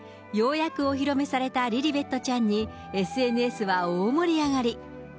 ようやくお披露目されたリリベットちゃんに、ＳＮＳは大盛り上がり。